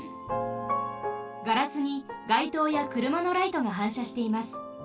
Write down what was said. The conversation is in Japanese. ガラスにがいとうやくるまのライトがはんしゃしています。